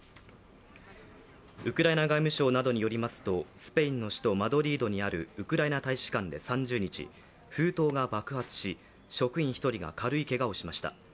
ウクライナ外務省などによりますとスペインの首都マドリードにあるウクライナ大使館で３０日、封筒が爆発し職員１人が軽いけがをしました。